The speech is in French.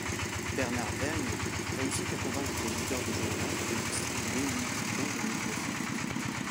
Bernard Vergnes réussit à convaincre l'éditeur du journal de distribuer Multiplan de Microsoft.